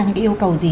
những yêu cầu gì